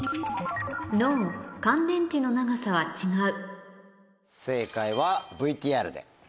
「Ｎｏ乾電池の長さは違う」